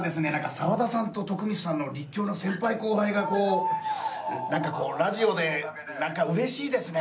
沢田さんと徳光さんの立教の先輩後輩がこうなんかこうラジオでなんか嬉しいですね。